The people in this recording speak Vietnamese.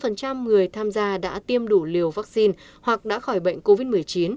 một trăm linh người tham gia đã tiêm đủ liều vaccine hoặc đã khỏi bệnh covid một mươi chín